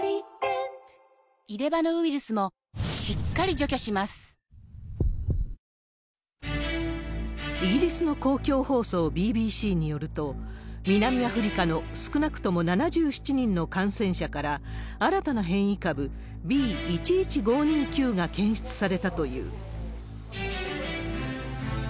状況が悪化する場合には、イギリスの公共放送ＢＢＣによると、南アフリカの少なくとも７７人の感染者から新たな変異株、Ｂ１１５２９が検出されたという。